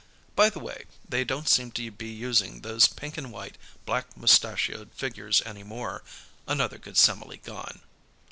(By the way, they don't seem to be using those pink and white, black mustachioed figures any more. Another good simile gone.)